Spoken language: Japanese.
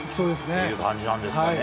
という感じなんですかね。